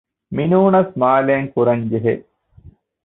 މިނޫނަސް މާލެއިން ކުރަންޖެހޭ